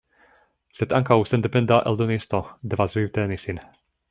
Sed ankaŭ sendependa eldonisto devas vivteni sin.